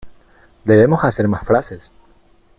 Debemos hacer más frases.